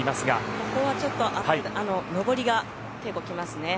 ここはちょっと上りが結構来ますね。